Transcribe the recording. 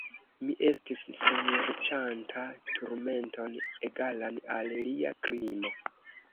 Mi estis serĉanta turmenton egalan al lia krimo.